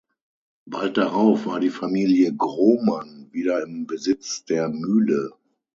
Bald darauf war die Familie Grohmann wieder im Besitz der Mühle.